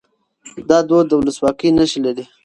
دا دود د ولسواکۍ نښې لري.